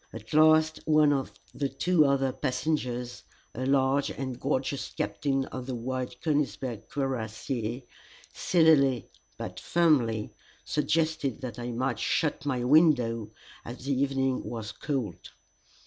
At last one of the two other passengers, a large and gorgeous captain of the White Konigsberg Cuirassiers, civilly but firmly suggested that I might shut my window, as the evening was cold.